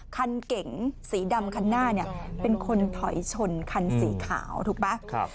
เก๋งสีดำคันหน้าเนี่ยเป็นคนถอยชนคันสีขาวถูกไหม